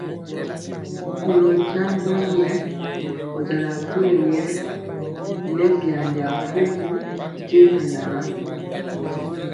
Kolɔ jambɔ nyɛ, ɔ jala gwoye yɛ nɛ byanjaa fumbu je mɛnana.